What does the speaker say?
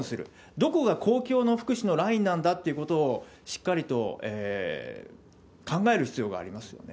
どこが公共の福祉のラインなんだってことを、しっかりと考える必要がありますよね。